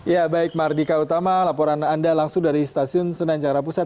ya baik mardika utama laporan anda langsung dari stasiun senen jakarta pusat